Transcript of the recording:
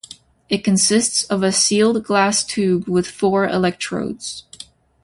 It consists of a sealed glass tube with four electrodes.